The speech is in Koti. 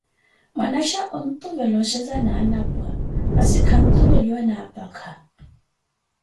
Mwanaxha ontuvela oxheza na anapwa, masi khantuveliwa ni apakha.